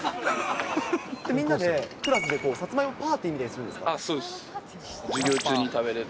みんなで、クラスで、さつまいもパーティーみたいなするんですか？